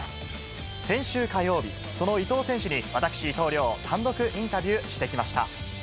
先週火曜日、その伊東選手に、私、伊藤遼、単独インタビューしてきました。